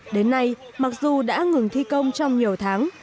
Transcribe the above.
đến nay mặc dù đã ngừng thi công trong nhiều tháng